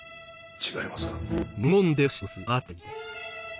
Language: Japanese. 違いますか？